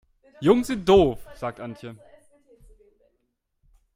Jungs sind doof, sagt Antje.